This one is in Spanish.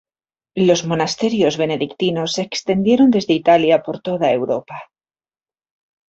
Los monasterios benedictinos se extendieron desde Italia por toda Europa.